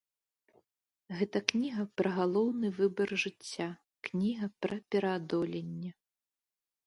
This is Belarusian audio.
Гэта кніга пра галоўны выбар жыцця, кніга пра пераадоленне.